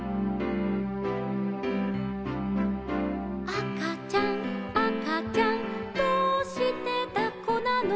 「あかちゃんあかちゃんどうしてだっこなの」